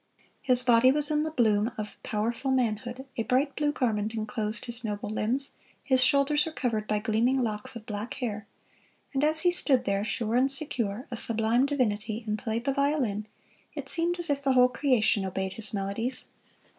His body was in the bloom of powerful manhood, a bright blue garment enclosed his noble limbs, his shoulders were covered by gleaming locks of black hair; and as he stood there, sure and secure, a sublime divinity, and played the violin, it seemed as if the whole creation obeyed his melodies.